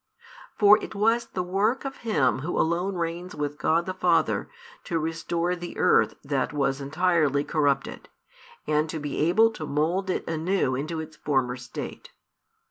For it was the work of Him Who alone reigns with God the Father to restore the earth that was entirely corrupted, and to be able to mould it anew into its former state.